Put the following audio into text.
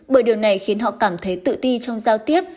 bởi điều này khiến họ cảm thấy tự ti trong giao tiếp